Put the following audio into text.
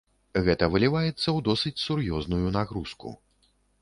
Гэта выліваецца ў досыць сур'ёзную нагрузку.